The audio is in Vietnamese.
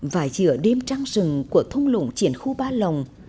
và giữa đêm trăng rừng của thông lũng triển khu ba lồng